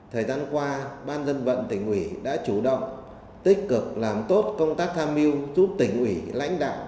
thời gian qua ban dân vận tỉnh ủy đã chủ động tích cực làm tốt công tác tham mưu giúp tỉnh ủy lãnh đạo